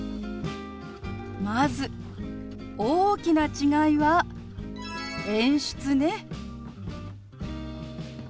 まず大きな違いは演出ね。